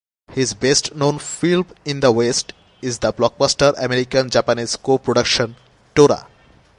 His best known film in the West is the blockbuster American-Japanese co-production Tora!